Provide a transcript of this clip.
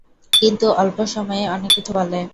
কিন্তু অল্প সময়েই অনেক কিছু বলে।